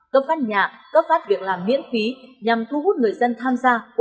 cấp phát nhà cấp phát việc làm miễn phí nhằm thu hút người dân tham gia ủng hộ